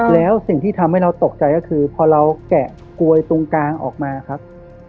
แล้วสิ่งที่ทำให้เราตกใจก็คือพอเราแกะกลวยตรงกลางออกมาครับ